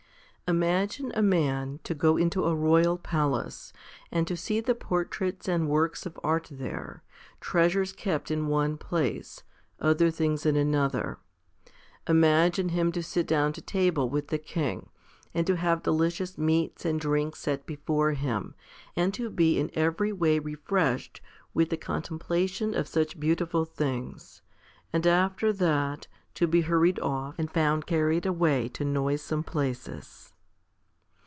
i. IMAGINE a man to go into a royal palace, and to see the portraits and works of art there, treasures kept in one place, other things in another. Imagine him to sit down to table with the king, and to have delicious meats and drinks set before him, and to be in every way refreshed with the contemplation of such beautiful things ; and after that, to be hurried off, and found carried away to noisome places.